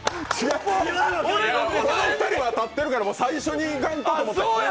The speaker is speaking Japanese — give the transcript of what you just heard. この２人が立ってるから最初にいかんとと思って。